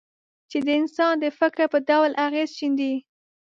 چې د انسان د فکر په ډول اغېز شیندي.